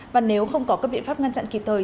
và nếu không có các biện pháp ngăn chặn kịp thời